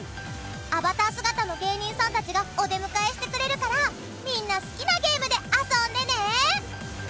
アバター姿の芸人さんたちがお出迎えしてくれるからみんな好きなゲームで遊んでね！